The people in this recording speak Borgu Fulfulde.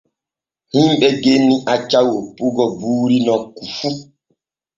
Himɓe genni acca woppugo buuri nokku fu.